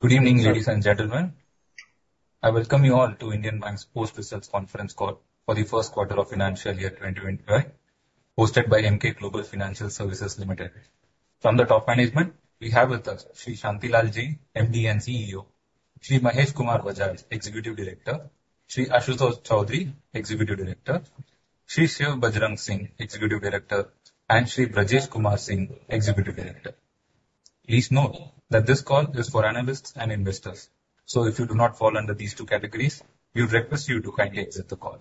Good evening, ladies and gentlemen. I welcome you all to Indian Bank's post results conference call for the first quarter of financial year 2025, hosted by Emkay Global Financial Services Limited. From the top management, we have with us Shri Shanti Lal Jain, MD and CEO, Shri Mahesh Kumar Bajaj, Executive Director, Shri Ashutosh Choudhury, Executive Director, Shri Shiv Bajrang Singh, Executive Director, and Shri Brajesh Kumar Singh, Executive Director. Please note that this call is for analysts and investors. So if you do not fall under these two categories, we request you to kindly exit the call.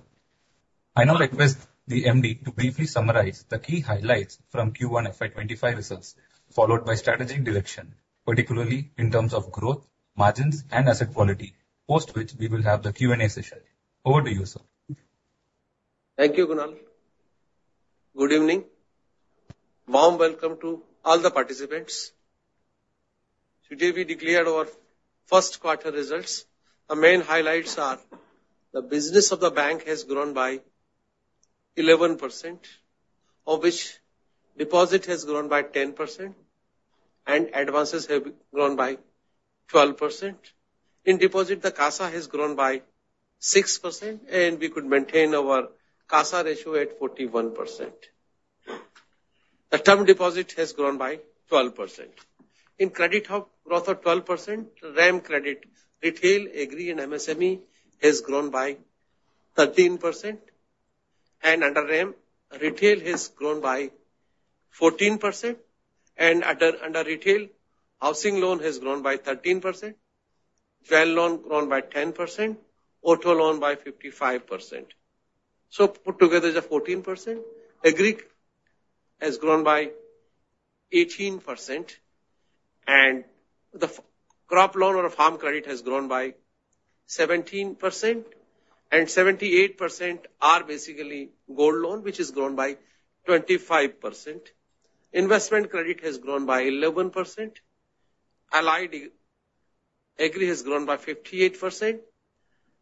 I now request the MD to briefly summarize the key highlights from Q1 FY25 results, followed by strategic direction, particularly in terms of growth, margins, and asset quality, post which we will have the Q&A session. Over to you, sir. Thank you, Kunal. Good evening. Warm welcome to all the participants. Today, we declared our first quarter results. The main highlights are the business of the bank has grown by 11%, of which deposit has grown by 10% and advances have grown by 12%. In deposit, the CASA has grown by 6%, and we could maintain our CASA ratio at 41%. The term deposit has grown by 12%. In credit of growth of 12%, RAM credit, retail, agri, and MSME, has grown by 13%, and under RAM, retail has grown by 14%, and under retail, housing loan has grown by 13%, jewel loan grown by 10%, auto loan by 55%. So put together is a 14%. Agri has grown by 18%, and the crop loan or farm credit has grown by 17%, and 78% are basically gold loan, which has grown by 25%. Investment credit has grown by 11%. Allied agri has grown by 58%,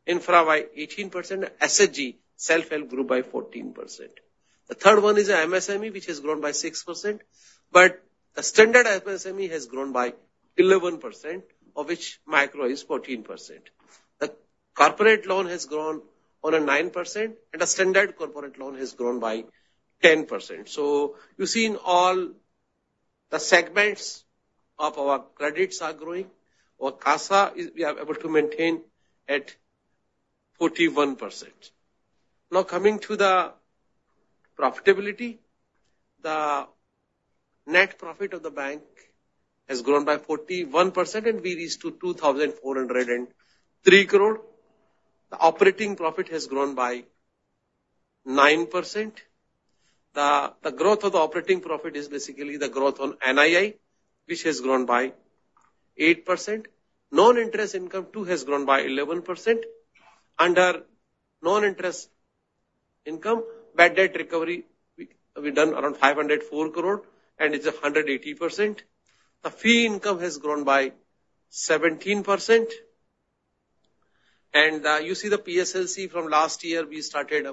infra by 18%, SHG, Self-Help Group, by 14%. The third one is MSME, which has grown by 6%, but the standard MSME has grown by 11%, of which micro is 14%. The corporate loan has grown on a 9%, and the standard corporate loan has grown by 10%. So you see, in all the segments of our credits are growing, our CASA is, we are able to maintain at 41%. Now, coming to the profitability, the net profit of the bank has grown by 41%, and we reached to 2,403 crore. The operating profit has grown by 9%. The growth of the operating profit is basically the growth on NII, which has grown by 8%. Non-interest income, too, has grown by 11%. Under non-interest income, bad debt recovery, we done around 504 crore, and it's 180%. The fee income has grown by 17%. And you see the PSLC from last year, we started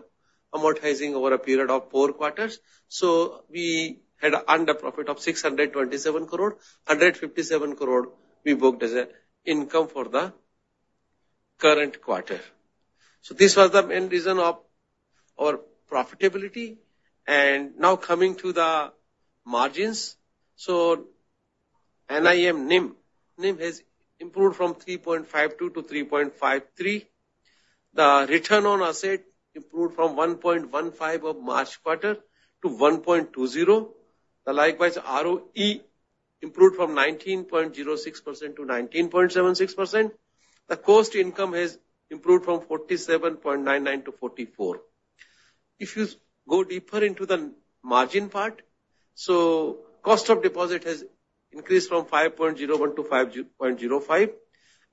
amortizing over a period of four quarters. So we had an under profit of 627 crore, hundred fifty-seven crore we booked as a income for the current quarter. So this was the main reason of our profitability. And now coming to the margins. So NIM, NIM. NIM has improved from 3.52 to 3.53. The return on asset improved from 1.15 of March quarter to 1.20. Likewise, ROE improved from 19.06% to 19.76%. The cost to income has improved from 47.99 to 44. If you go deeper into the margin part, so cost of deposit has increased from 5.01 to 5.05,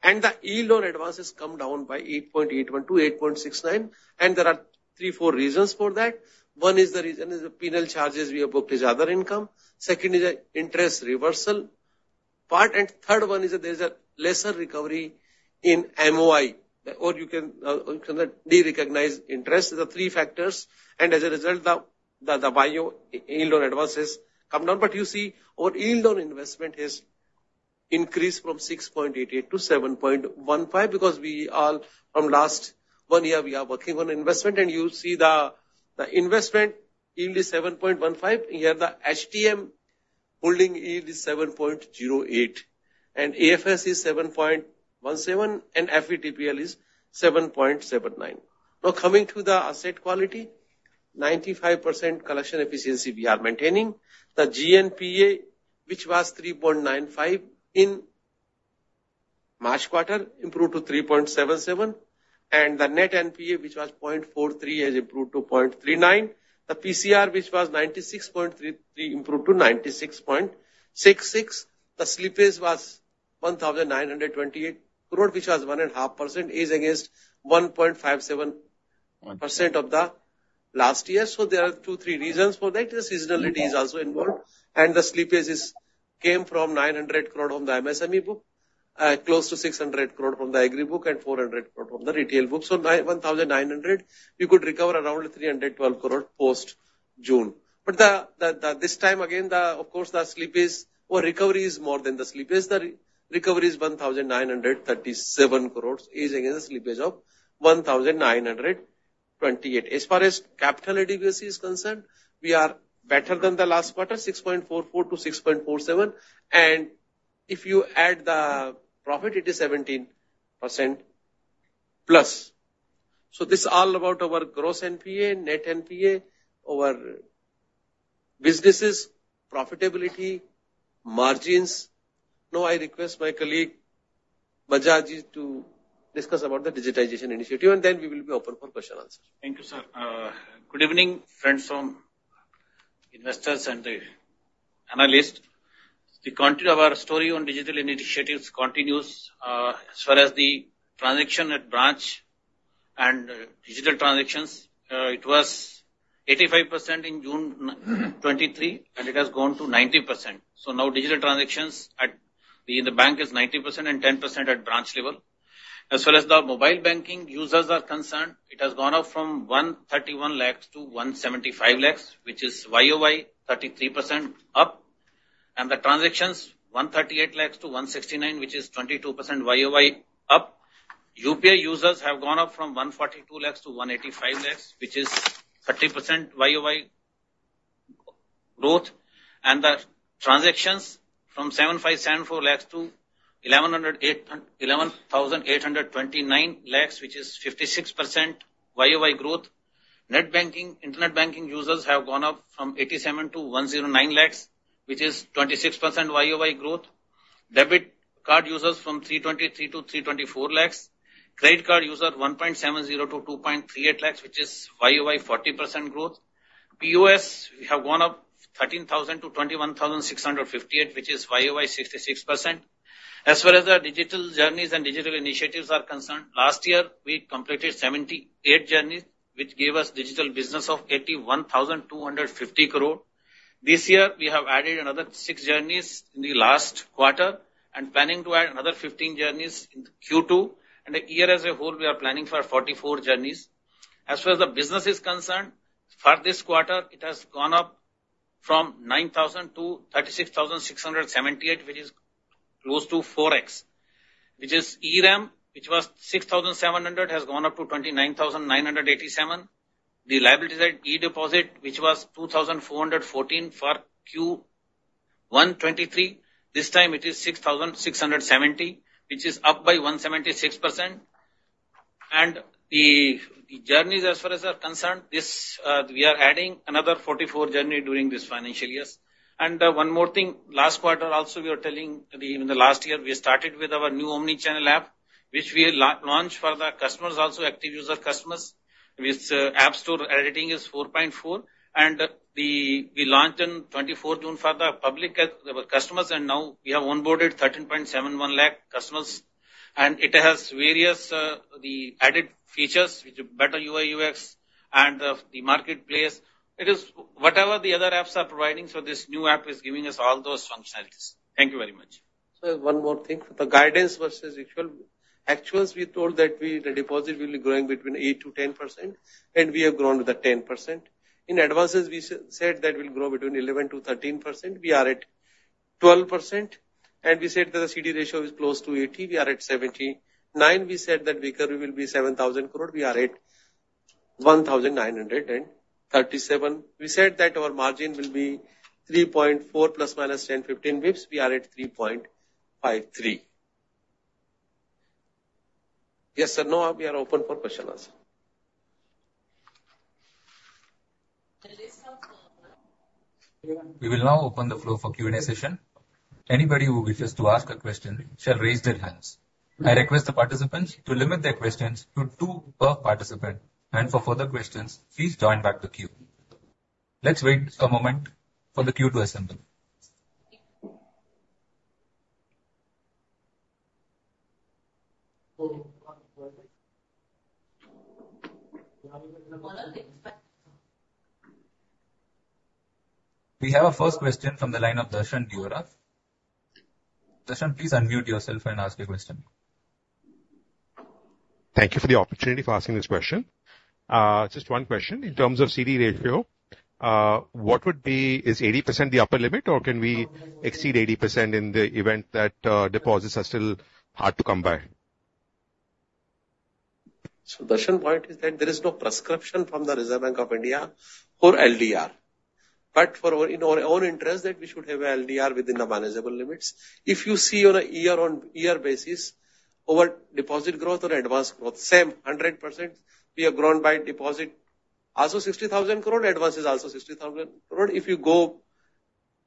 and the yield on advances come down by 8.81 to 8.69, and there are three, four reasons for that. One is the reason is the penal charges we have booked as other income. Second is the interest reversal part, and third one is that there's a lesser recovery in MOI, or you can, you can derecognize interest. The three factors, and as a result, the YoA yield on advances come down. But you see, our yield on investment has increased from 6.88 to 7.15, because we all, from last one year, we are working on investment, and you see the investment yield is 7.15. Here, the HTM holding yield is 7.08, and AFS is 7.17, and FVTPL is 7.79. Now, coming to the asset quality, 95% collection efficiency we are maintaining. The GNPA, which was 3.95 in March quarter, improved to 3.77, and the net NPA, which was 0.43, has improved to 0.39. The PCR, which was 96.33, improved to 96.66. The slippage was 1,928 crore, which was 1.5%, is against 1.57% of the last year. So there are two, three reasons for that. The seasonality is also involved, and the slippage came from 900 crore from the MSME book, close to 600 crore from the agri book, and 400 crore from the retail book. So nine- one thousand nine hundred, we could recover around 312 crore post June. But the this time again, the of course, the slippage or recovery is more than the slippage. The recovery is 1,937 crore, is again, a slippage of 1,928. As far as capital adequacy is concerned, we are better than the last quarter, 6.44-6.47, and if you add the profit, it is 17%+. So this is all about our gross NPA, net NPA, our businesses, profitability, margins. Now, I request my colleague, Bajaj, to discuss about the digitization initiative, and then we will be open for question and answer. Thank you, sir. Good evening, friends from investors and the analysts. The continue of our story on digital initiatives continues, as well as the transaction at branch and digital transactions. It was 85% in June 2023, and it has gone to 90%. So now digital transactions at in the bank is 90% and 10% at branch level. As well as the mobile banking users are concerned, it has gone up from 131 lakhs to 175 lakhs, which is YOY, 33% up. And the transactions, 138 lakhs to 169, which is 22% YOY up. UPI users have gone up from 142 lakhs to 185 lakhs, which is 30% YOY growth, and the transactions from 7,574 lakhs to 11,829 lakhs, which is 56% YOY growth. Net banking, internet banking users have gone up from 87 to 109 lakhs, which is 26% YOY growth. Debit card users from 323 to 324 lakhs. Credit card user, 1.70 to 2.38 lakhs, which is YOY, 40% growth. PoS, we have gone up 13,000 to 21,658, which is YOY, 66%. As well as our digital journeys and digital initiatives are concerned, last year, we completed 78 journeys, which gave us digital business of 81,250 crore. This year, we have added another sx journeys in the last quarter, and planning to add another 15 journeys in Q2, and the year as a whole, we are planning for 44 journeys. As well as the business is concerned, for this quarter, it has gone up from 9,000 to 36,678, which is close to 4x. Which is RAM, which was 6,700, has gone up to 29,987. The liabilities at e-deposit, which was 2,414 for Q1, 2023. This time it is 6,670, which is up by 176%. And the journeys, as far as are concerned, this, we are adding another 44 journey during this financial years. One more thing, last quarter also, we are telling, in the last year, we started with our new omni-channel app, which we launched for the customers, also active user customers, which, App Store rating is 4.4. And we launched on 24th June for the public, our customers, and now we have onboarded 13.71 lakh customers. And it has various, the added features, which are better UI, UX, and, the marketplace. It is whatever the other apps are providing, so this new app is giving us all those functionalities. Thank you very much. So one more thing, the guidance versus actual. Actuals, we told that we, the deposit will be growing between 8%-10%, and we have grown to the 10%. In advances, we said that we'll grow between 11%-13%. We are at 12%, and we said that the CD ratio is close to 80, we are at 79. We said that recovery will be 7,000 crore, we are at 1,937 crore. We said that our margin will be 3.4, plus or minus 10-15 basis points. We are at 3.53. Yes, sir. Now, we are open for question and answer. We will now open the floor for Q&A session. Anybody who wishes to ask a question shall raise their hands. I request the participants to limit their questions to two per participant, and for further questions, please join back the queue. Let's wait a moment for the queue to assemble. We have our first question from the line of Darshan Deora. Darshan, please unmute yourself and ask your question. Thank you for the opportunity for asking this question. Just one question. In terms of CD ratio, is 80% the upper limit, or can we exceed 80% in the event that deposits are still hard to come by? So, Darshan, point is that there is no prescription from the Reserve Bank of India for LDR. But for our, in our own interest, that we should have a LDR within the manageable limits. If you see on a year-on-year basis, our deposit growth or advanced growth, same, 100%. We have grown by deposit, also 60,000 crore, advance is also 60,000 crore. If you go,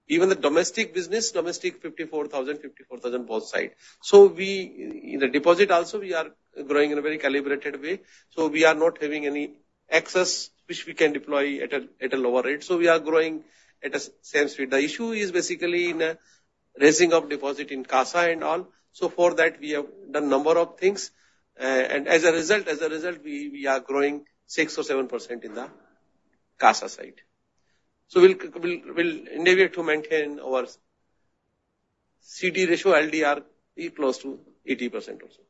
even the domestic business, domestic 54,000, 54,000, both side. So we, in the deposit also, we are growing in a very calibrated way, so we are not having any excess, which we can deploy at a, at a lower rate. So we are growing at a same speed. The issue is basically in raising of deposit in CASA and all. So for that, we have done number of things, and as a result, as a result, we are growing 6%-7% in the CASA side. So we'll innovate to maintain our CD ratio LDR be close to 80% also.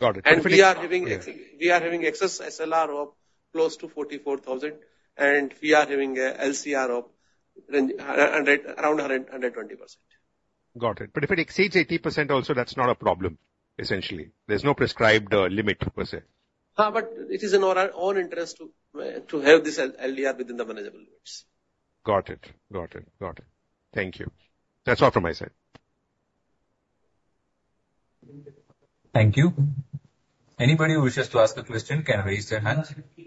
Got it. We are having excess SLR of close to 44,000, and we are having a LCR of range 100, around 120%. Got it. But if it exceeds 80% also, that's not a problem, essentially? There's no prescribed limit per se. But it is in our own interest to have this LDR within the manageable limits. Got it. Got it. Got it. Thank you. That's all from my side. Thank you. Anybody who wishes to ask a question can raise their hand.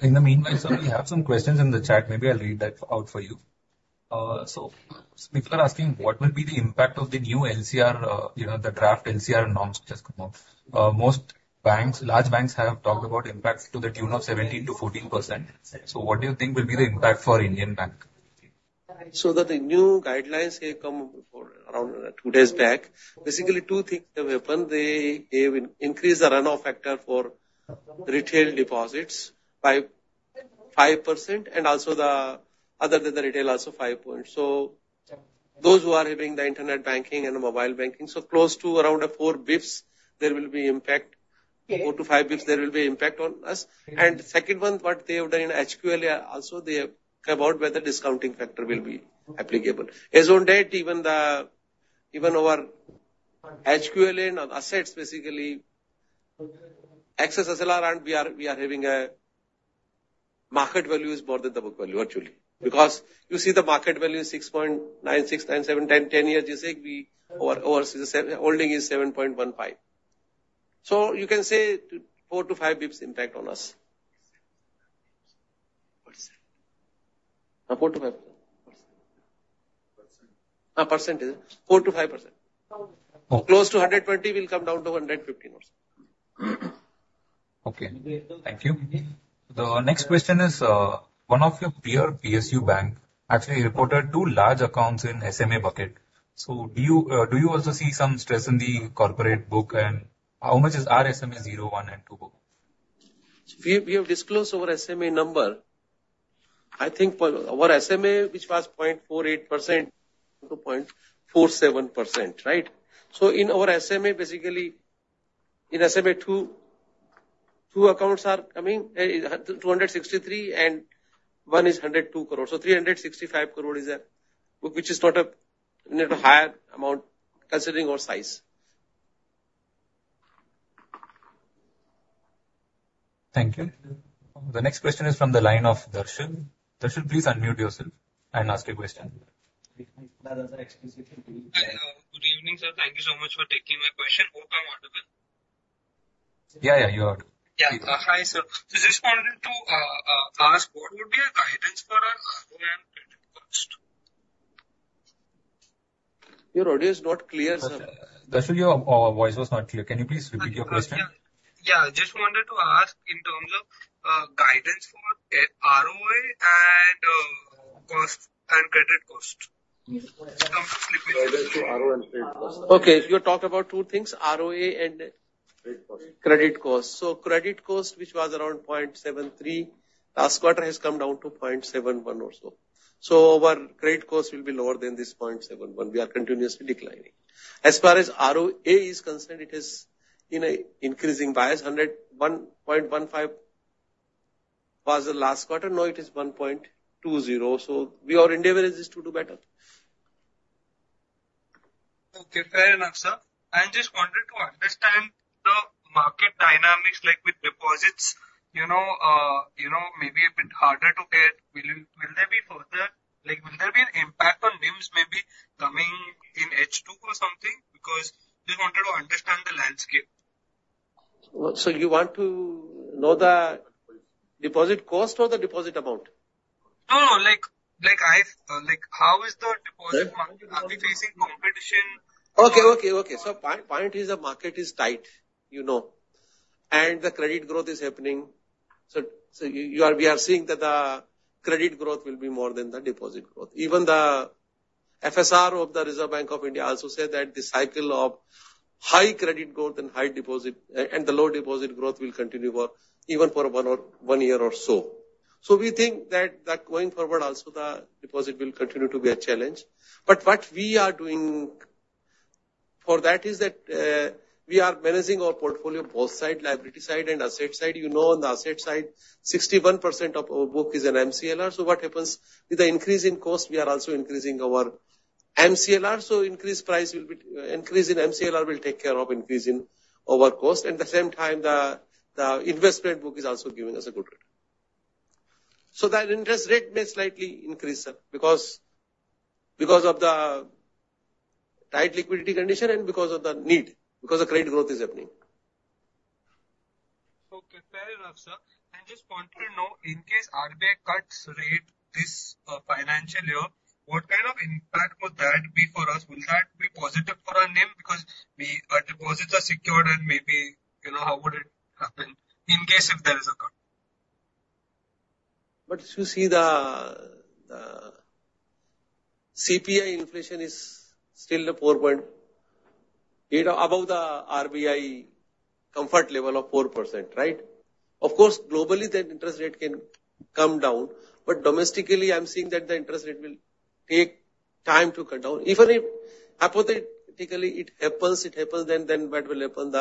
In the meanwhile, sir, we have some questions in the chat. Maybe I'll read that out for you. So people are asking, what will be the impact of the new LCR, you know, the draft LCR norms just come out? Most banks, large banks have talked about impact to the tune of 17%-14%. So what do you think will be the impact for Indian Bank? So the new guidelines they came out around two days back. Basically, two things have happened. They will increase the runoff factor for retail deposits by 5%, and also the other than the retail, also 5 points. So those who are having the internet banking and mobile banking, so close to around 4 basis points, there will be impact. 4-5 basis points, there will be impact on us. And second one, what they have done in HQLA also, they have come out where the discounting factor will be applicable. As on date, even our HQLA on assets, basically, excess SLR, and we are having a market value is more than the book value, actually. Because you see the market value is 6.96, 9.7, 10, 10 years, you say we, our holding is 7.15. So you can say 4-5 basis points impact on us. Percent. 4 to 5. Percent. Percentage, 4%-5%. Okay. Close to 120, will come down to 115 or so. Okay, thank you. The next question is, one of your peer PSU bank actually reported two large accounts in SMA bucket. So do you also see some stress in the corporate book, and how much is our SMA 0, 1, and 2 book? We, we have disclosed our SMA number. I think for our SMA, which was 0.48%-0.47%, right? So in our SMA, basically, in SMA two, two accounts are coming, 263, and one is 102 crores. So 365 crore is a- which is not a higher amount considering our size. Thank you. The next question is from the line of Darshan. Darshan, please unmute yourself and ask your question. Hi, good evening, sir. Thank you so much for taking my question. Hope I'm audible. Yeah, yeah, you're audible. Yeah. Hi, sir. Just wanted to ask what would be a guidance for our ROA and credit cost? Your audio is not clear, sir. Darshan, your voice was not clear. Can you please repeat your question? Yeah, just wanted to ask in terms of guidance for ROA and cost and credit cost when it comes to slipping- Guidance to ROA and credit cost. Okay, if you talk about two things, ROA and- Credit cost. Credit cost. So credit cost, which was around 0.73% last quarter has come down to 0.71% or so. So our credit cost will be lower than this 0.71%. We are continuously declining. As far as ROA is concerned, it is in a increasing bias. 1.15% was the last quarter, now it is 1.20%, so we are endeavoring to do better. Okay, fair enough, sir. I just wanted to understand the market dynamics, like with deposits, you know, you know, maybe a bit harder to get. Will there be further... Like, will there be an impact on NIMs maybe coming in H2 or something? Because just wanted to understand the landscape. You want to know the deposit cost or the deposit amount? No, no, like, like, I've, like, how is the deposit market? Are we facing competition? Okay, okay, okay. So the point is the market is tight, you know, and the credit growth is happening. So we are seeing that the credit growth will be more than the deposit growth. Even the FSR of the Reserve Bank of India also said that the cycle of high credit growth and high deposit and the low deposit growth will continue for even one year or so. So we think that going forward also, the deposit will continue to be a challenge. But what we are doing for that is that we are managing our portfolio both sides, liability side and asset side. You know, on the asset side, 61% of our book is an MCLR. So what happens, with the increase in cost, we are also increasing our MCLR, so increased price will be, increase in MCLR will take care of increase in our cost. At the same time, the investment book is also giving us a good rate. So that interest rate may slightly increase, sir, because of the tight liquidity condition and because of the need because the credit growth is happening. Okay, fair enough, sir. I just wanted to know, in case RBI cuts rate this financial year, what kind of impact would that be for us? Will that be positive for our NIM? Because we, our deposits are secured and maybe, you know, how would it happen in case if there is a cut? But you see the CPI inflation is still 4 points, you know, above the RBI comfort level of 4%, right? Of course, globally, then interest rate can come down, but domestically, I'm seeing that the interest rate will take time to come down. Even if hypothetically it happens, it happens, then what will happen,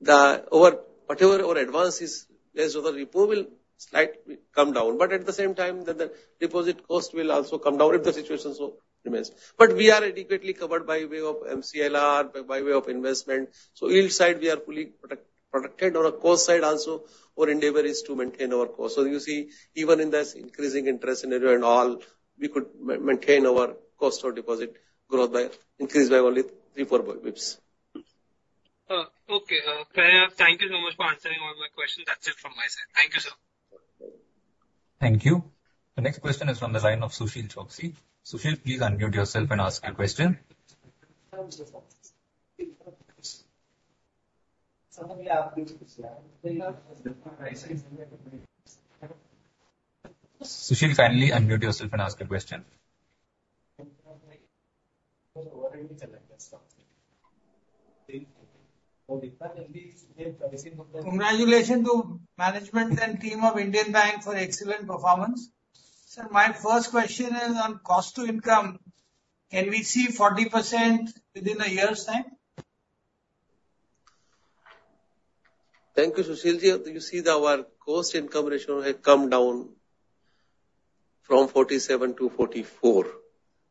the over whatever our advance is less of a repo will slightly come down. But at the same time, then the deposit cost will also come down if the situation so remains. But we are adequately covered by way of MCLR, by way of investment. So yield side, we are fully protected. On a cost side also, our endeavor is to maintain our cost. So you see, even in this increasing interest scenario and all, we could maintain our cost of deposit growth increased by only 3-4 basis. Okay. Thank you so much for answering all my questions. That's it from my side. Thank you, sir. Thank you. The next question is from the line of Sushil Choksey. Sushil, please unmute yourself and ask your question. Sushil, kindly unmute yourself and ask your question. Congratulations to management and team of Indian Bank for excellent performance. Sir, my first question is on cost to income. Can we see 40% within a year's time? Thank you, Sushil. You see that our cost income ratio has come down from 47 to 44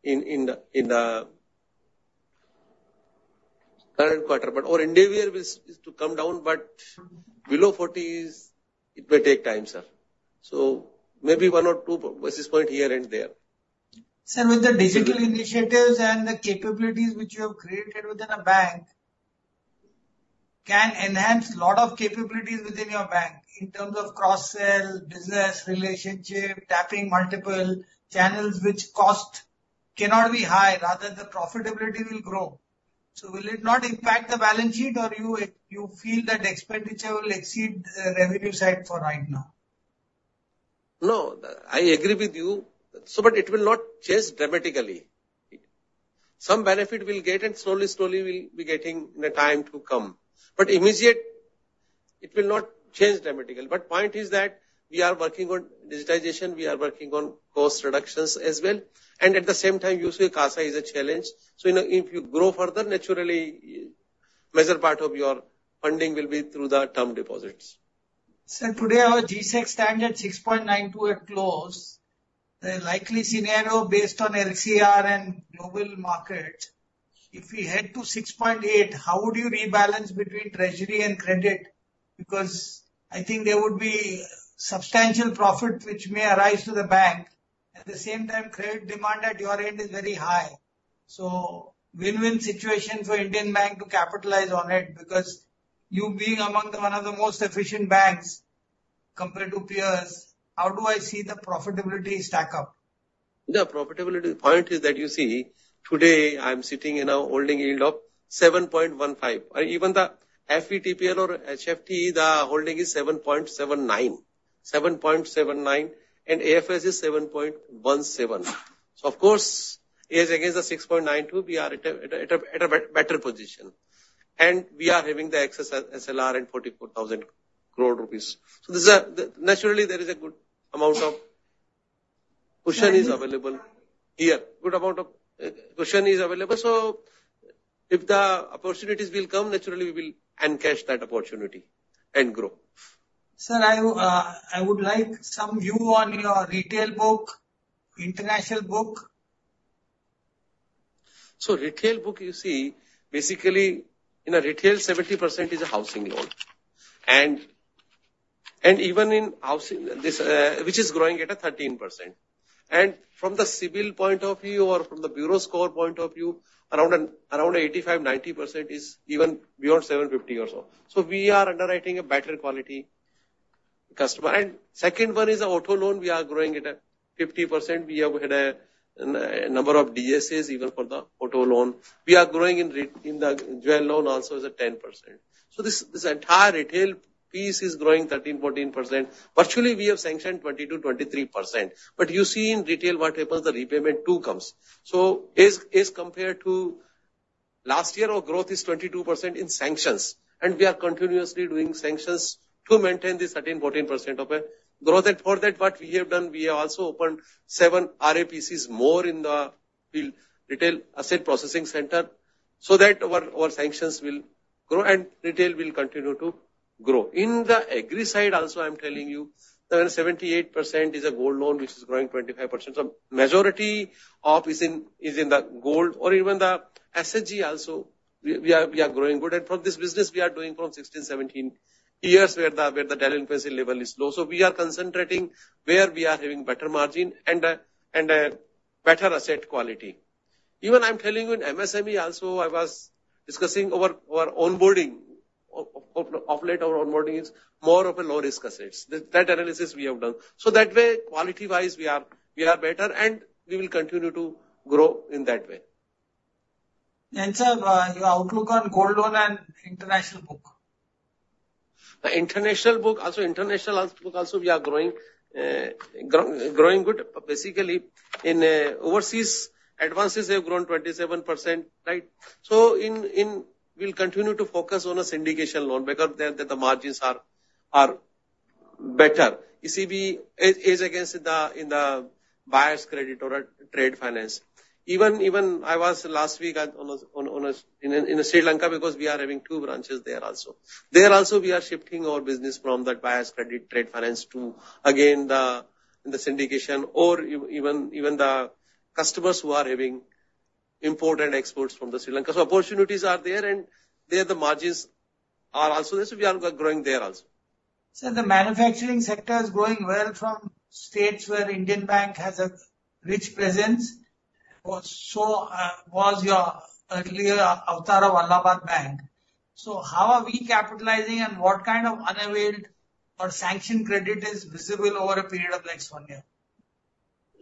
in the current quarter. But our endeavor is to come down, but below 40, it may take time, sir. So maybe one or two basis point here and there. Sir, with the digital initiatives and the capabilities which you have created within a bank can enhance lot of capabilities within your bank in terms of cross-sell, business, relationship, tapping multiple channels which cost cannot be high, rather the profitability will grow. So will it not impact the balance sheet, or you feel that expenditure will exceed revenue side for right now? No, I agree with you. So, but it will not change dramatically. Some benefit we'll get, and slowly, slowly we'll be getting in a time to come. But immediately, it will not change dramatically. But point is that we are working on digitization, we are working on cost reductions as well, and at the same time, you see, CASA is a challenge. So you know, if you grow further, naturally, major part of your funding will be through the term deposits. Sir, today, our G-Sec standard 6.92 at close, the likely scenario based on LCR and global market, if we head to 6.8, how would you rebalance between treasury and credit? Because I think there would be substantial profit which may arise to the bank. At the same time, credit demand at your end is very high. So win-win situation for Indian Bank to capitalize on it, because you being among one of the most efficient banks compared to peers, how do I see the profitability stack up? The profitability point is that you see, today, I'm sitting in a holding yield of 7.15. Even the FVTPL or HFT, the holding is 7.79. 7.79, and AFS is 7.17. So of course, as against the 6.92, we are at a, at a, at a better position. And we are having the excess SLR and 44,000 crore rupees. So there's a, naturally, there is a good amount of cushion is available here. Good amount of cushion is available. So if the opportunities will come, naturally, we will encash that opportunity and grow. Sir, I, I would like some view on your retail book, international book. So retail book, you see, basically, in a retail, 70% is a housing loan. And even in housing, this, which is growing at a 13%. And from the CIBIL point of view or from the bureau score point of view, around 85%-90% is even beyond 750 or so. So we are underwriting a better quality customer. And second one is the auto loan. We are growing it at 50%. We have had a number of DSAs even for the auto loan. We are growing in the jewel loan also is at 10%. So this entire retail piece is growing 13%-14%. Virtually, we have sanctioned 20%-23%. But you see in retail, what happens, the repayment too comes. So as compared to last year, our growth is 22% in sanctions, and we are continuously doing sanctions to maintain this 13%-14% of it growth, and for that, what we have done, we have also opened seven RAPCs more in the field, retail asset processing center, so that our sanctions will grow and retail will continue to grow. In the agri side also, I'm telling you, the 78% is a gold loan, which is growing 25%. So majority of is in the gold or even the SHG also, we are growing good. And from this business, we are doing from 16-17 years, where the delinquency level is low. So we are concentrating where we are having better margin and a better asset quality. Even I'm telling you, in MSME also, I was discussing our onboarding. Of late our onboarding is more of a low-risk assets. That analysis we have done. So that way, quality-wise, we are better, and we will continue to grow in that way. Sir, your outlook on gold loan and international book?... The international book, also the international book, we are also growing good. Basically, overseas advances have grown 27%, right? So we'll continue to focus on a syndication loan because then the margins are better. You see, we, as against the buyer's credit or trade finance. Even I was last week in Sri Lanka, because we are having two branches there also. There also, we are shifting our business from that buyer's credit trade finance to, again, the syndication or even the customers who are having import and exports from Sri Lanka. So opportunities are there, and there the margins are also, so we are growing there also. Sir, the manufacturing sector is growing well in states where Indian Bank has a rich presence. In your earlier avatar of Allahabad Bank, how are we capitalizing and what kind of new or sanctioned credit is visible over a period of next one year?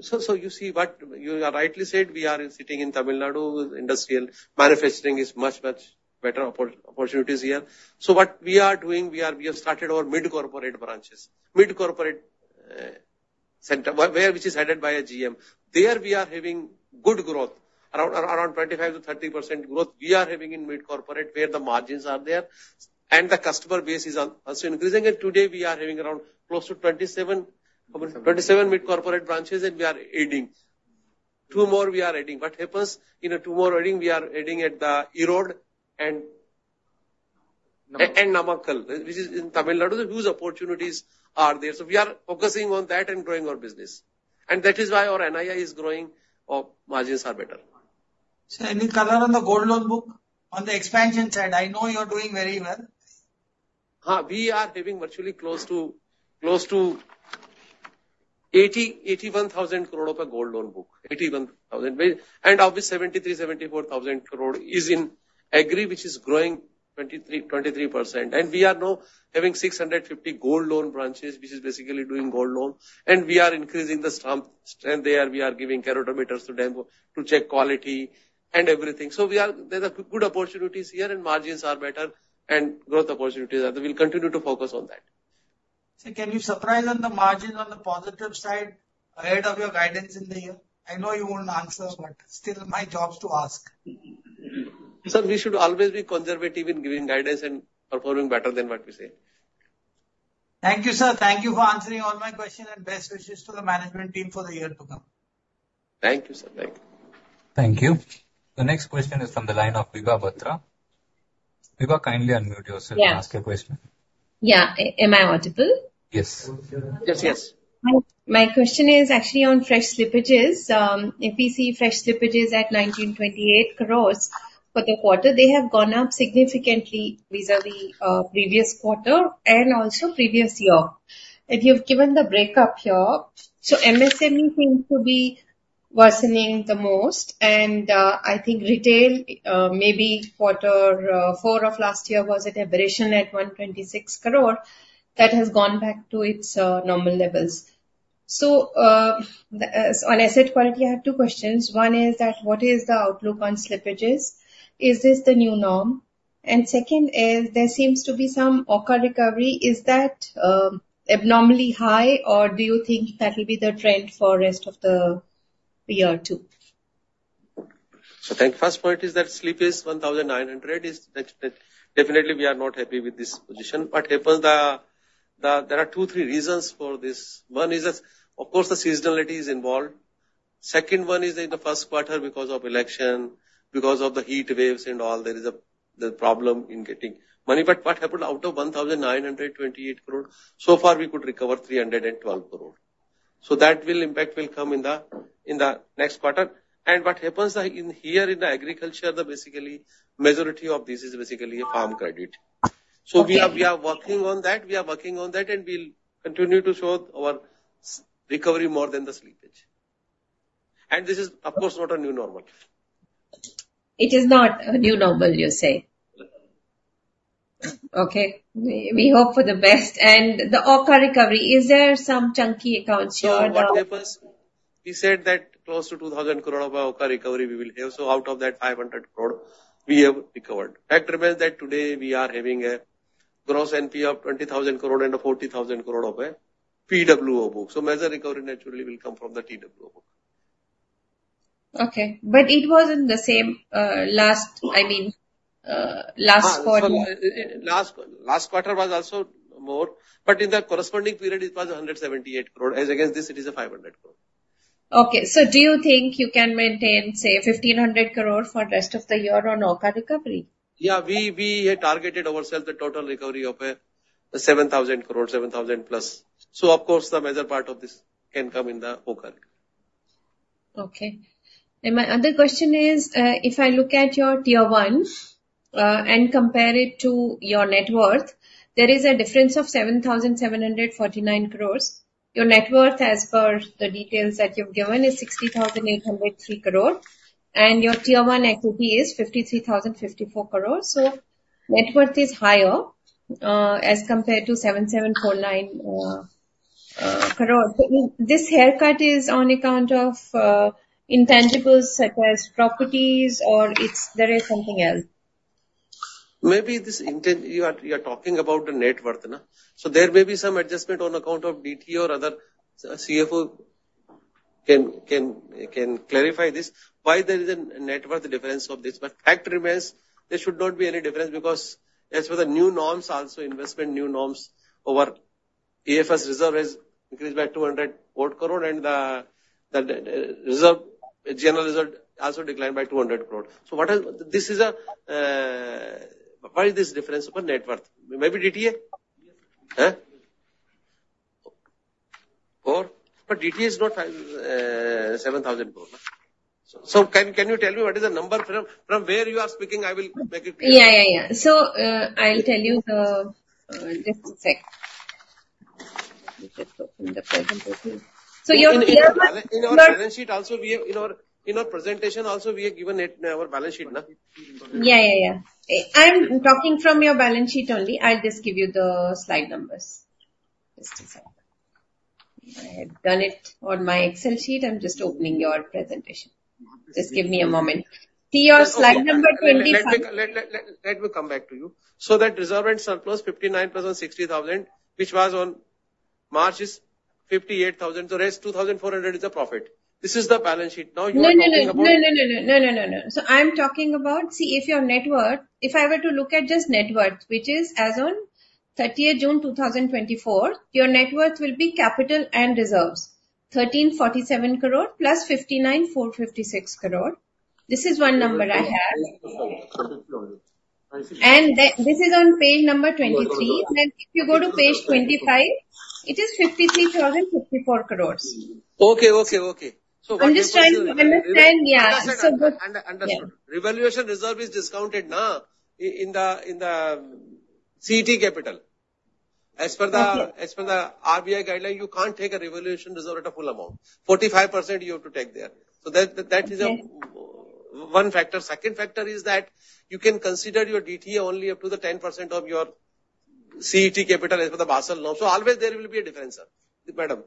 So you see, what you rightly said, we are sitting in Tamil Nadu. Industrial manufacturing is much, much better opportunities here. So what we are doing, we have started our mid-corporate branches. Mid-Corporate Center, which is headed by a GM. There, we are having good growth, around 25%-30% growth we are having in mid-corporate, where the margins are there, and the customer base is also increasing. And today, we are having around close to 27- Twenty-seven. 27 mid-corporate branches, and we are adding two more. We are adding at Erode and- Namakkal. Namakkal, which is in Tamil Nadu. So huge opportunities are there. So we are focusing on that and growing our business. And that is why our NII is growing, our margins are better. So any color on the gold loan book, on the expansion side? I know you are doing very well. We are having virtually close to 80-81,000 crore of a gold loan book. 81,000. And of this 73-74,000 crore is in agri, which is growing 23, 23%. And we are now having 650 gold loan branches, which is basically doing gold loan. And we are increasing the stamp, and there we are giving carat meters to them to check quality and everything. So we are there are good opportunities here, and margins are better, and growth opportunities are there. We'll continue to focus on that. Can you surprise on the margin on the positive side ahead of your guidance in the year? I know you won't answer, but still my job is to ask. Sir, we should always be conservative in giving guidance and performing better than what we say. Thank you, sir. Thank you for answering all my questions, and best wishes to the management team for the year to come. Thank you, sir. Thank you. Thank you. The next question is from the line of Vibha Batra. Vibha, kindly unmute yourself- Yeah. and ask your question. Yeah. Am I audible? Yes. Yes, yes. My question is actually on fresh slippages. If we see fresh slippages at 1,928 crore for the quarter, they have gone up significantly vis-à-vis previous quarter and also previous year. And you've given the breakup here. So MSME seems to be worsening the most, and I think retail, maybe quarter four of last year was an aberration at 126 crore. That has gone back to its normal levels. So, as on asset quality, I have two questions. One is that what is the outlook on slippages? Is this the new norm? And second is, there seems to be some AUCA recovery. Is that abnormally high, or do you think that will be the trend for rest of the year, too? So thank you. First point is that slippage 1,900, is that, definitely we are not happy with this position. What happens, there are two, three reasons for this. One is that, of course, the seasonality is involved. Second one is in the first quarter, because of election, because of the heat waves and all, there is a, the problem in getting money. But what happened out of 1,928 crore, so far, we could recover 312 crore. So that will impact will come in the, in the next quarter. And what happens, in here in the agriculture, the basically, majority of this is basically a farm credit. Okay. So we are, we are working on that. We are working on that, and we'll continue to show our recovery more than the slippage. And this is, of course, not a new normal. It is not a new normal, you say? No. Okay. We hope for the best. The NPA recovery, is there some chunky accounts here or not? So what happens, we said that close to 2,000 crore of AUCA recovery we will have. So out of that 500 crore, we have recovered. Fact remains that today we are having a gross NP of 20,000 crore and a 40,000 crore of a PWO book. So major recovery naturally will come from the PWO book. Okay, but it was in the same, last, I mean, last quarter. So last quarter was also more, but in the corresponding period, it was 178 crore. As against this, it is 500 crore. Okay. So do you think you can maintain, say, 1,500 crore for the rest of the year on AUCA recovery? Yeah, we had targeted ourselves a total recovery of 7,000 crore, 7,000+. So of course, the major part of this can come in the AUCA. Okay. My other question is, if I look at your Tier 1, and compare it to your net worth, there is a difference of 7,749 crore. Your net worth, as per the details that you've given, is 60,803 crore, and your Tier 1 equity is 53,054 crore. So net worth is higher, as compared to 7,749 crore. So this haircut is on account of intangibles such as properties, or is there something else? Maybe— You are talking about the net worth, no? So there may be some adjustment on account of DTA or other CFO can clarify this, why there is a net worth difference of this. But fact remains, there should not be any difference, because as for the new norms, also investment new norms, our AFS reserve has increased by 200 crore, and the reserve, general reserve also declined by 200 crore. So what is... This is a, why this difference for net worth? Maybe DTA? Yes, sir. But DTA is not 7,000 crore, no. So can you tell me what is the number from where you are speaking? I will make it clear. Yeah, yeah, yeah. So, I'll tell you the, just a sec. In our balance sheet also, we have in our presentation also, we have given it in our balance sheet, no? Yeah, yeah, yeah. I'm talking from your balance sheet only. I'll just give you the slide numbers. Just a sec. I have done it on my Excel sheet. I'm just opening your presentation. Just give me a moment. See your slide number 25. Let me come back to you. So that reserve and surplus, 59 plus on INR 60,000, which was on March, is INR 58,000. The rest, INR 2,400, is a profit. This is the balance sheet. Now, you are talking about- No, no, no. No, no, no, no, no, no, no. So I'm talking about... See, if your net worth, if I were to look at just net worth, which is as on thirtieth June 2024, your net worth will be capital and reserves, 1,347 crore plus 59,456 crore. This is one number I have. Then this is on page number 23. Then if you go to page 25, it is 53,054 crores. Okay, okay, okay. I'm just trying to understand. Yeah. Understood. Revaluation reserve is discounted, na, in the CET capital. Okay. As per the RBI guideline, you can't take a revaluation reserve at a full amount. 45% you have to take there. Okay. So that, that is one factor. Second factor is that you can consider your DTA only up to the 10% of your CET capital, as per the Basel law. So always there will be a difference, sir, Madam.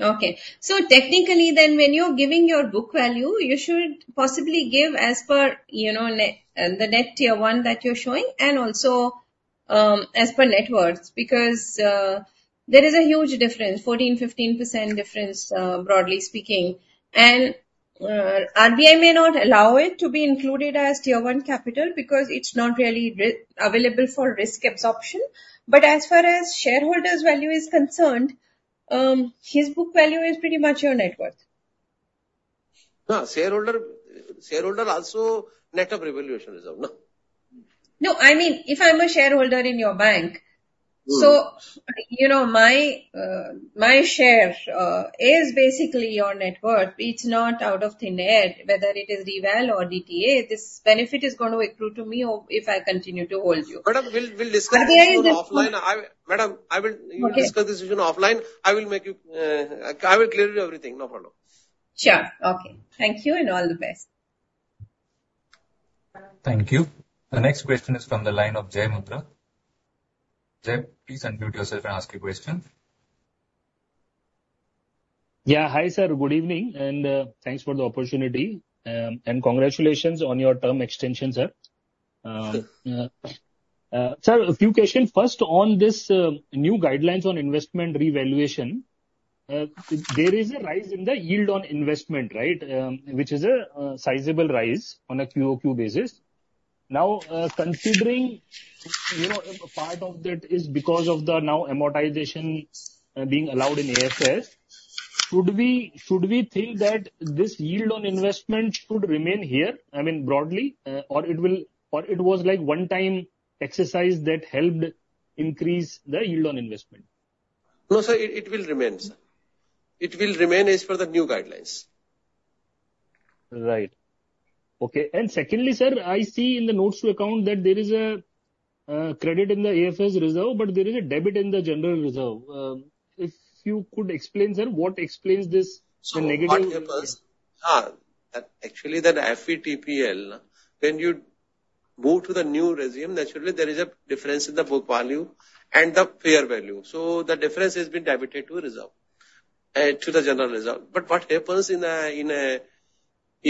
Okay. So technically then, when you're giving your book value, you should possibly give as per, you know, net, the net Tier 1 that you're showing, and also, as per net worth, because, there is a huge difference, 14-15% difference, broadly speaking. And, RBI may not allow it to be included as Tier 1 capital because it's not really available for risk absorption. But as far as shareholders' value is concerned, his book value is pretty much your net worth. No, shareholder, shareholder also net of revaluation reserve, no? No, I mean, if I'm a shareholder in your bank- Mm. You know, my share is basically your net worth. It's not out of thin air, whether it is reval or DTA, this benefit is going to accrue to me or if I continue to hold you. Madam, we'll, we'll discuss this offline. There is- Madam, I will- Okay. discuss this with you offline. I will make you, I will clear you everything, no problem. Sure. Okay. Thank you, and all the best. Thank you. The next question is from the line of Jai Mundra. Jai, please unmute yourself and ask your question. Yeah. Hi, sir. Good evening, and thanks for the opportunity. And congratulations on your term extension, sir. Thank you. Sir, a few questions. First, on this new guidelines on investment revaluation, there is a rise in the yield on investment, right? Which is a sizable rise on a QOQ basis. Now, considering, you know, a part of that is because of the now amortization being allowed in AFS, should we think that this yield on investment should remain here, I mean, broadly, or it will—or it was like one-time exercise that helped increase the yield on investment? No, sir, it will remain, sir. It will remain as per the new guidelines. Right. Okay. And secondly, sir, I see in the notes to account that there is a credit in the AFS reserve, but there is a debit in the general reserve. If you could explain, sir, what explains this, the negative? So what happens, actually, that FVTPL, when you go to the new regime, naturally, there is a difference in the book value and the fair value. So the difference has been debited to reserve, to the general reserve. But what happens in a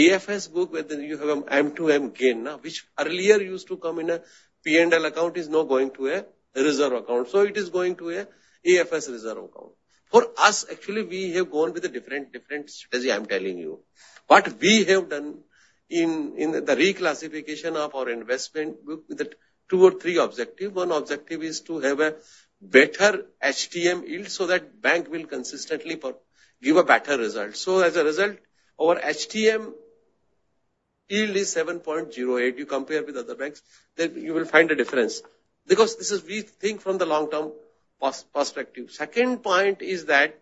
AFS book, where you have a MTM gain, na, which earlier used to come in a P&L account, is now going to a reserve account. So it is going to a AFS reserve account. For us, actually, we have gone with a different, different strategy, I'm telling you. What we have done in the reclassification of our investment with the two or three objective. One objective is to have a better HTM yield, so that bank will consistently provide a better result. So as a result, our HTM yield is 7.08. You compare with other banks, then you will find a difference, because this is we think from the long-term perspective. Second point is that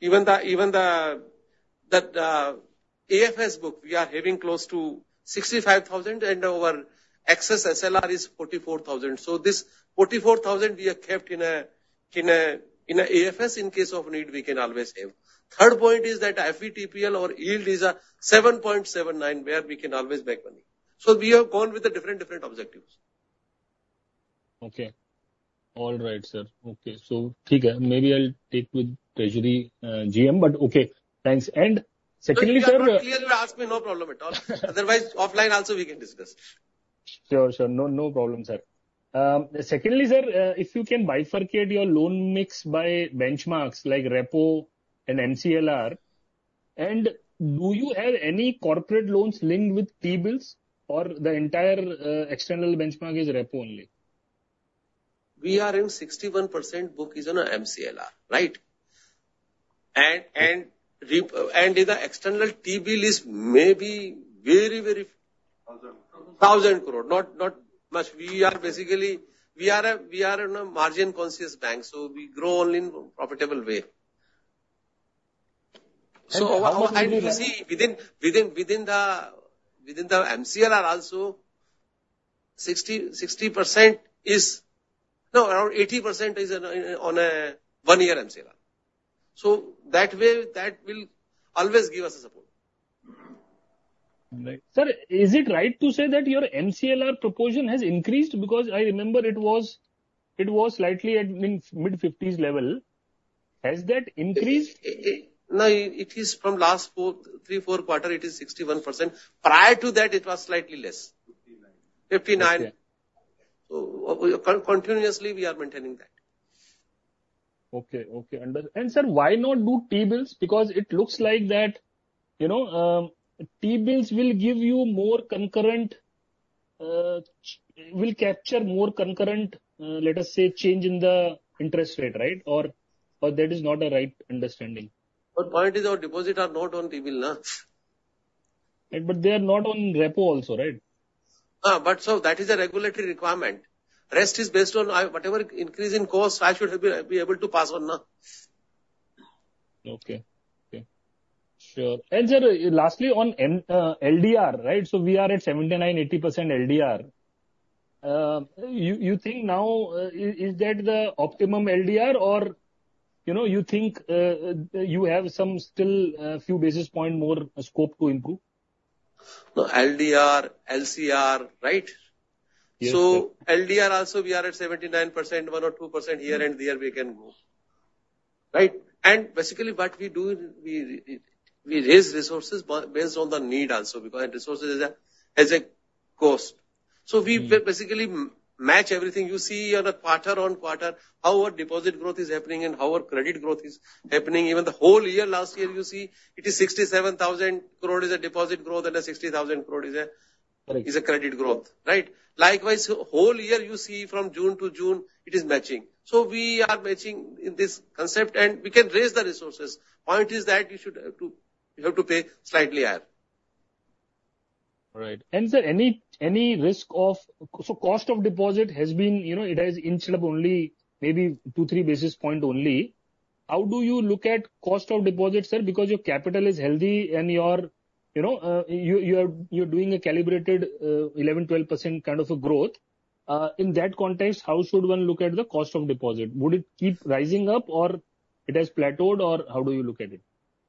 even the AFS book, we are having close to 65 thousand, and our excess SLR is 44 thousand. So this 44 thousand we have kept in AFS, in case of need, we can always have. Third point is that FVTPL, our yield is 7.79, where we can always make money. So we have gone with the different objectives. Okay. All right, sir. Okay, so thik hai. Maybe I'll take with treasury, GM, but okay, thanks. And secondly, sir- Clearly, you ask me, no problem at all. Otherwise, offline also we can discuss. Sure, sir. No, no problem, sir. Secondly, sir, if you can bifurcate your loan mix by benchmarks like repo and MCLR, and do you have any corporate loans linked with T-bills or the entire, external benchmark is repo only? We are in 61% book is on MCLR, right? And in the external T-bill is maybe very, very- 1,000 crore. 1,000 crore. Not, not much. We are basically, we are a, we are in a margin-conscious bank, so we grow only in profitable way. How much- So you see, within the MCLR also, 60% is... No, around 80% is on a one-year MCLR. So that way, that will always give us a support. Right. Sir, is it right to say that your MCLR proportion has increased? Because I remember it was, it was slightly at, in mid-50s level. Has that increased? It is from last 3-4 quarters. It is 61%. Prior to that, it was slightly less. Fifty-nine. Fifty-nine. Okay. So continuously, we are maintaining that. Okay, okay. Under- And sir, why not do T-bills? Because it looks like that, you know, T-bills will give you more concurrent, will capture more concurrent, let us say, change in the interest rate, right? Or, or that is not a right understanding. Point is, our deposits are not on T-bills, nah? Right, but they are not on repo also, right? But so that is a regulatory requirement. Rest is based on whatever increase in cost, I should be able to pass on, nah. Okay. Okay, sure. Sir, lastly, on LDR, right? So we are at 79-80% LDR. You think now, is that the optimum LDR, or you know, you think you have some still few basis point more scope to improve? No, LDR, LCR, right? Yes. So LDR also, we are at 79%, 1%-2% here and there we can move, right? And basically, what we do, we raise resources based on the need also, because resources has a cost. Mm. We basically match everything. You see on a quarter-on-quarter, how our deposit growth is happening and how our credit growth is happening. Even the whole year, last year, you see, it is 67,000 crore is a deposit growth, and a 60,000 crore is a- Correct. is a credit growth, right? Likewise, whole year, you see from June to June, it is matching. So we are matching in this concept, and we can raise the resources. Point is that you should too, you have to pay slightly higher. All right. And sir, any, any risk of... So cost of deposit has been, you know, it has inched up only maybe 2, 3 basis points only. How do you look at cost of deposit, sir? Because your capital is healthy and you are, you know, you, you are, you're doing a calibrated, 11%-12% kind of a growth. In that context, how should one look at the cost of deposit? Would it keep rising up, or it has plateaued, or how do you look at it?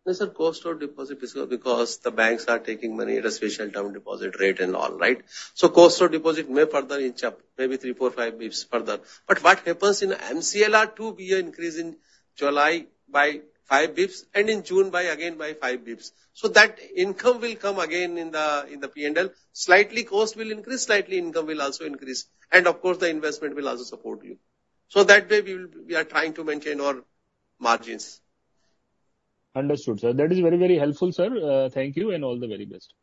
Yes, sir, cost of deposit is because the banks are taking money at a special term deposit rate and all, right? So cost of deposit may further inch up, maybe 3, 4, 5 basis points further. But what happens in MCLR too, we are increasing July by 5 basis points and in June by again by 5 basis points. So that income will come again in the, in the P&L. Slightly cost will increase, slightly income will also increase. And of course, the investment will also support you. So that way, we will, we are trying to maintain our margins. Understood, sir. That is very, very helpful, sir. Thank you, and all the very best.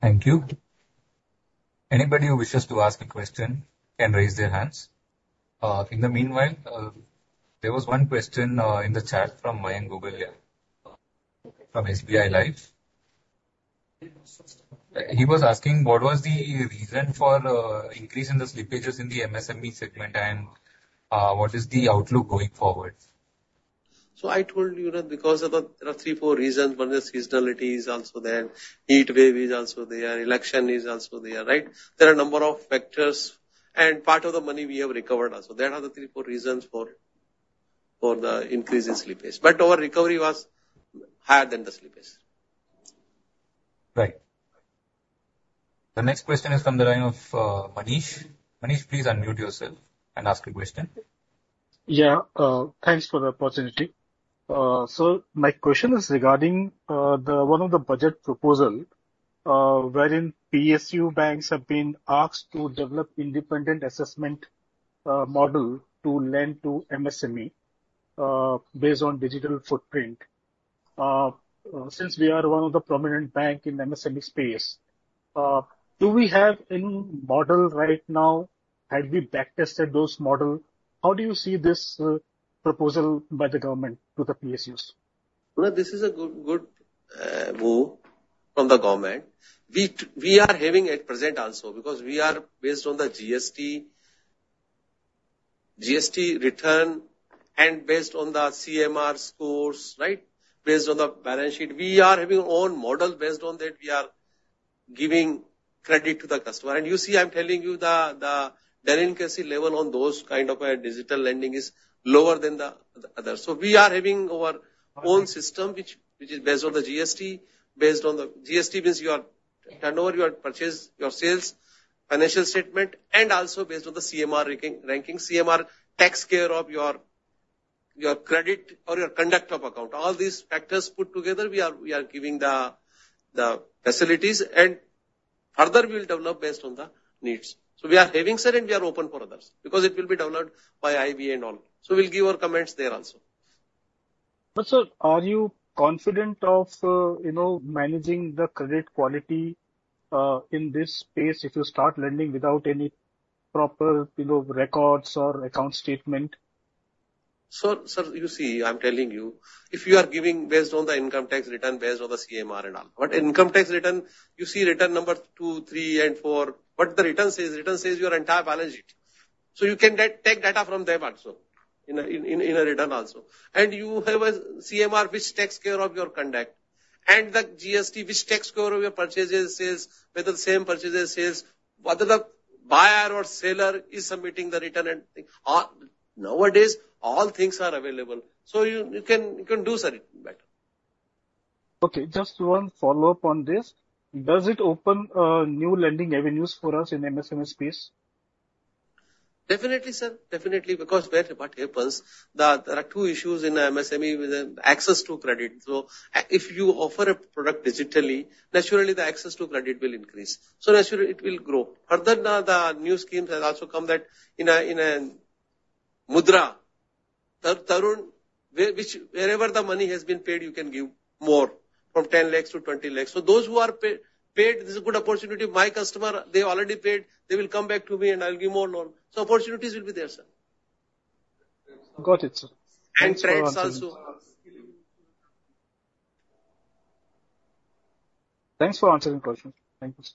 Thank you. Anybody who wishes to ask a question can raise their hands. In the meanwhile, there was one question in the chat from Mayank Gulgulia from SBI Life. He was asking, what was the reason for increase in the slippages in the MSME segment, and what is the outlook going forward? So I told you that because of the, there are three, four reasons. One is seasonality is also there, heat wave is also there, election is also there, right? There are a number of factors, and part of the money we have recovered also. There are the three, four reasons for the increase in slippage. But our recovery was higher than the slippage. Right. The next question is from the line of, Manish. Manish, please unmute yourself and ask your question. Yeah, thanks for the opportunity. So my question is regarding the one of the budget proposal, wherein PSU banks have been asked to develop independent assessment model to lend to MSME based on digital footprint. Since we are one of the prominent bank in MSME space, do we have any model right now? Have we backtested those model? How do you see this proposal by the government to the PSUs? Well, this is a good, good move from the government. We are having at present also, because we are based on the GST, GST return, and based on the CMR scores, right? Based on the balance sheet. We are having own model. Based on that, we are giving credit to the customer. And you see, I'm telling you the delinquency level on those kind of a digital lending is lower than the other. So we are having our own system, which is based on the GST. GST means your turnover, your purchase, your sales, financial statement, and also based on the CMR ranking, ranking. CMR takes care of your credit or your conduct of account. All these factors put together, we are giving the facilities, and further we'll develop based on the needs. So we are having, sir, and we are open for others, because it will be developed by IBA and all. So we'll give our comments there also. But sir, are you confident of, you know, managing the credit quality in this space if you start lending without any proper, you know, records or account statement? So, sir, you see, I'm telling you, if you are giving based on the income tax return, based on the CMR and all. But income tax return, you see return number 2, 3, and 4. What the return says, return says your entire balance sheet. So you can get, take data from them also, in a return also. And you have a CMR which takes care of your conduct, and the GST which takes care of your purchases, sales, whether the same purchases, sales, whether the buyer or seller is submitting the return and thing. Nowadays, all things are available, so you, you can, you can do, sir, better. Okay, just one follow-up on this. Does it open new lending avenues for us in MSME space? Definitely, sir. Definitely, because there are two issues in MSME with the access to credit. So if you offer a product digitally, naturally the access to credit will increase, so naturally it will grow. Further, the new schemes has also come that in a Mudra Tarun, wherever the money has been paid, you can give more, from 10 lakh to 20 lakh. So those who are paid, this is a good opportunity. My customer, they already paid, they will come back to me, and I'll give more loan. So opportunities will be there, sir. Got it, sir. And friends also. Thanks for answering questions. Thank you, sir.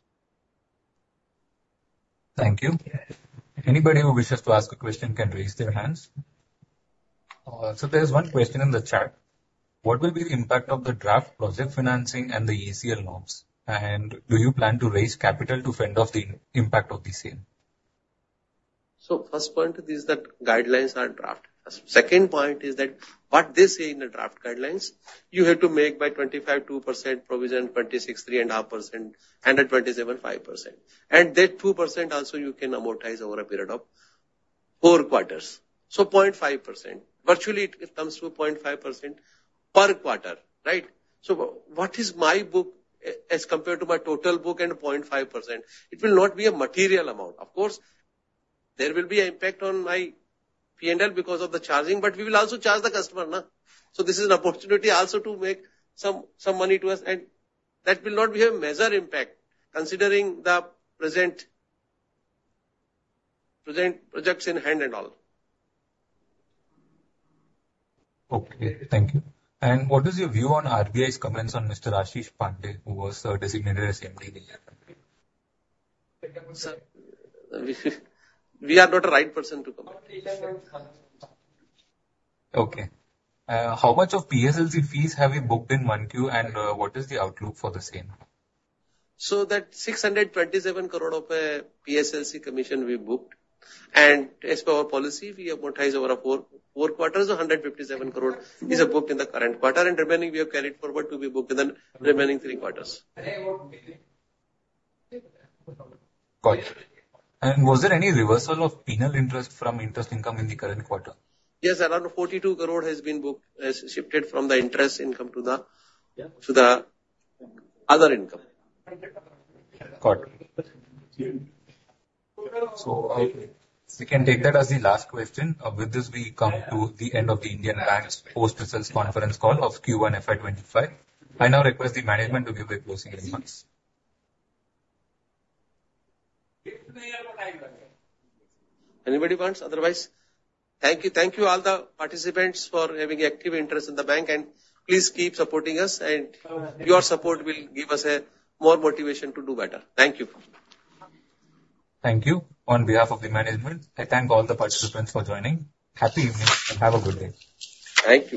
Thank you. Anybody who wishes to ask a question can raise their hands. So there is one question in the chat: What will be the impact of the draft project financing and the ECL norms? And do you plan to raise capital to fend off the impact of the same? So first point is that guidelines are draft. Second point is that what they say in the draft guidelines, you have to make by 2025, 2% provision, 2026, 3.5%, and at 2027, 5%. And that 2% also you can amortize over a period of four quarters. So 0.5%. Virtually, it comes to 0.5% per quarter, right? So what is my book as compared to my total book and 0.5%? It will not be a material amount. Of course, there will be an impact on my P&L because of the charging, but we will also charge the customer, na? So this is an opportunity also to make some money to us, and that will not be a major impact, considering the present projects in hand and all. Okay, thank you. And what is your view on RBI's comments on Mr. Ashish Pandey, who was designated as MD? Sir, we are not a right person to comment. Okay. How much of PSLC fees have you booked in one Q, and what is the outlook for the same? That 627 crore of PSLC commission we booked, and as per our policy, we amortize over four quarters. 157 crore is booked in the current quarter, and remaining we have carried forward to be booked in the remaining three quarters. Got it. And was there any reversal of penal interest from interest income in the current quarter? Yes, around 42 crore has been booked, has shifted from the interest income to the- Yeah. to the other income. Got it. So, we can take that as the last question. With this, we come to the end of the Indian Bank’s post-sales conference call of Q1 FY 2025. I now request the management to give their closing remarks. Anybody wants? Otherwise, thank you. Thank you all the participants for having active interest in the bank, and please keep supporting us, and your support will give us a more motivation to do better. Thank you. Thank you. On behalf of the management, I thank all the participants for joining. Happy evening, and have a good day. Thank you.